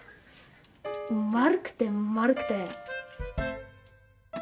丸くて丸くて。